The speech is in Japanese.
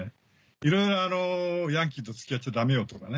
いろいろ「ヤンキーと付き合っちゃダメよ」とかね。